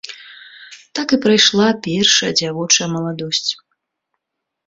Так і прайшла першая дзявочая маладосць.